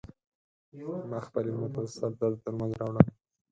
ما خپلې مور ته د سر درد درمل راوړل .